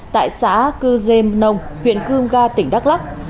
tại xã cư dêm nông huyện cương ga tỉnh đắk lắc